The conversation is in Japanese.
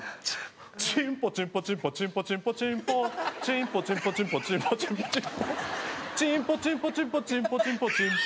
「チーンポチンポチンポチンポチンポチンポ」「チーンポチンポチンポチンポチンポチンポ」「チーンポチンポチンポチンポチンポチンポ」